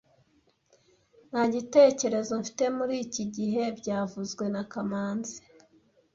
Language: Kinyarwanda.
Nta gitekerezo mfite muri iki gihe byavuzwe na kamanzi